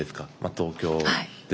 東京で。